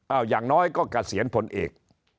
อย่างน้อยก็เกษียณพลเอก